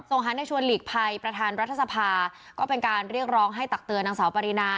หันในชวนหลีกภัยประธานรัฐสภาก็เป็นการเรียกร้องให้ตักเตือนนางสาวปรินา